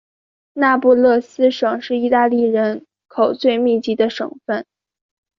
那不勒斯省是意大利人口最密集的省份。